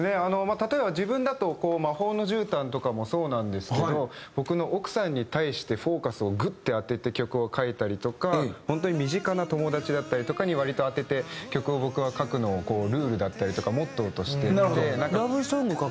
例えば自分だと『魔法の絨毯』とかもそうなんですけど僕の奥さんに対してフォーカスをグッて当てて曲を書いたりとかホントに身近な友達だったりとかに割と当てて曲を僕は書くのをルールだったりとかモットーとしてて。